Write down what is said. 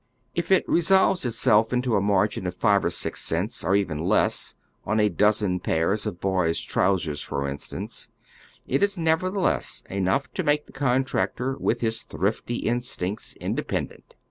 If it resolves itself into a margin of five or six cents, or even !ess, on a dozen paire of boys' trousers, for instance, it is nevertheless enough to make the contractor with his thrifty instincts independent.